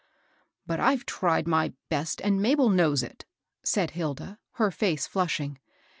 " But IVe tried my best, and Mabel knows it,'* said Hilda, her face flushing.